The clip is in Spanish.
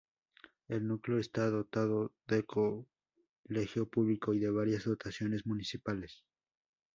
El núcleo está dotado de colegio público y de varias dotaciones municipales.